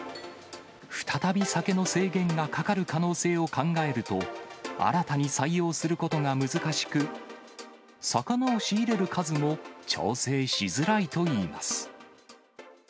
再び酒の制限がかかる可能性を考えると、新たに採用することが難しく、魚を仕入れる数も調整しづらいといいます。